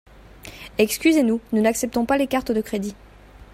Excusez-nous, nous n'acceptons pas les cartes de crédit.